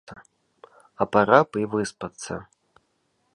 А пара б і выспацца!